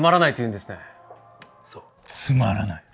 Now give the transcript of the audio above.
そうつまらない。